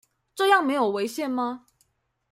這樣沒有違憲嗎？